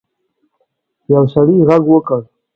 یو سړي غږ وکړ.